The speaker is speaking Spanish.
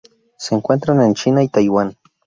Se encuentran en China y Taiwán.